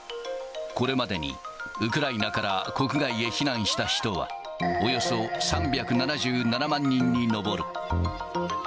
これまでに、ウクライナから国内へ避難した人はおよそ３７７万人に上る。